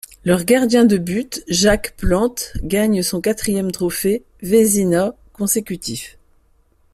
Leur gardien de but Jacques Plante gagne son quatrième trophée Vézina consécutif.